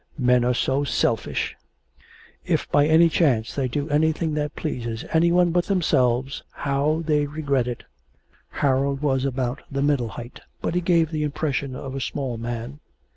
'Men are so selfish! If by any chance they do anything that pleases any one but themselves, how they regret it.' Harold was about the middle height, but he gave the impression of a small man.